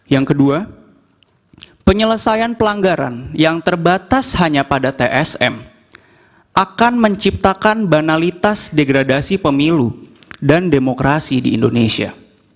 yang kedua penyelesaian pelanggaran yang terbatas hanya pada tsm akan menciptakan banalitas degradasi pemilu dan demokrasi di indonesia